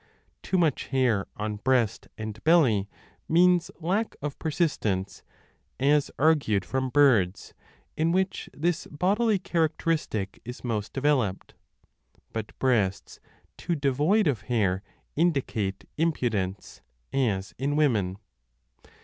Too much 15 hair on breast and belly means lack of persistence, as argued from birds, in which this bodily characteristic is most developed ; but breasts too devoid of hair indicate im pudence, as in women.